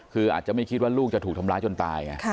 คืออาจจะไม่คิดว่าลูกจะถูกทำร้ายจนตายไง